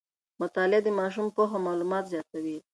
مطالعه د ماشوم پوهه او معلومات زیاتوي.